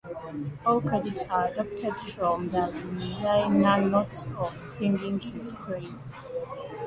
All credits are adapted from the liner notes of "Singing His Praise".